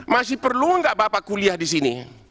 masih perlu nggak bapak kuliah di sini